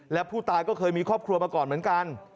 และผู้ตายก็เคยมีครอบครัวมาก่อนเหมือนกัน